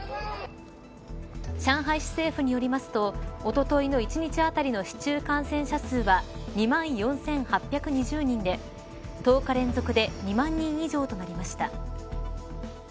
上海市政府によりますとおとといの１日当たりの市中感染者数は２万４８２０人で１０日連続で２万人以上となりました。